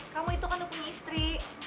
kamu itu kan aku istri